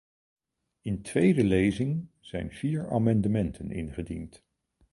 In tweede lezing zijn vier amendementen ingediend.